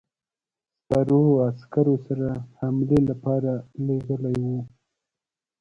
سپرو عسکرو سره حملې لپاره لېږلی وو.